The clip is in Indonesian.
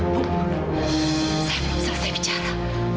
bu saya belum selesai bicara